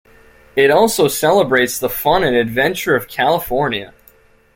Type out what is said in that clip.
It also celebrates the fun and adventure of California.